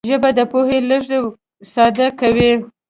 ژبه د پوهې لېږد ساده کوي